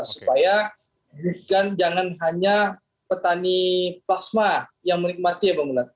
supaya bukan jangan hanya petani plasma yang menikmati ya bangunan